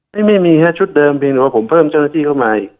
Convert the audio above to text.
นี่ไม่มีฮะชุดเดิมเพียงแต่ว่าผมเพิ่มเจ้าหน้าที่เข้ามาอีก